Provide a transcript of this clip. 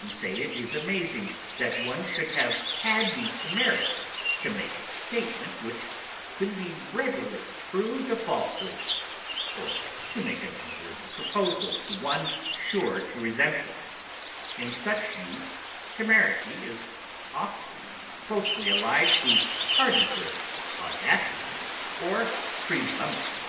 We say it is amazing that one should have had the temerity to make a statement which could be readily proved a falsehood, or to make an unworthy proposal to one sure to resent it; in such use temerity is often closely allied to hardihood, audacity, or presumption.